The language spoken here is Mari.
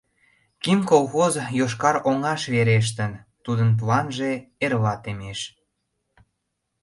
«КИМ» колхоз йошкар оҥаш верештын, тудын планже эрла темеш.